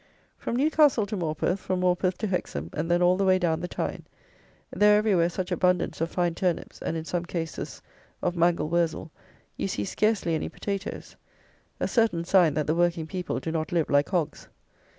From Newcastle to Morpeth; from Morpeth to Hexham; and then all the way down the Tyne; though everywhere such abundance of fine turnips, and in some cases of mangel wurzel, you see scarcely any potatoes: a certain sign that the working people do not live like hogs.